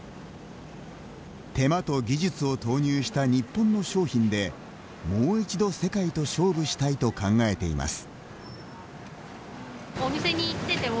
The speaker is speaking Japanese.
手間と技術を投入した日本の商品で、もう一度世界と勝負したいと考えています。